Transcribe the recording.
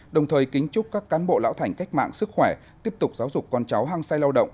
đồng thời kính chúc các cán bộ lão thành cách mạng sức khỏe tiếp tục giáo dục con cháu hăng say lao động